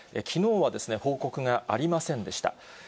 きのうは報告がありませんでした。